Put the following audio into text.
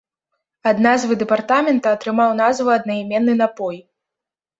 Ад назвы дэпартамента атрымаў назву аднаіменны напой.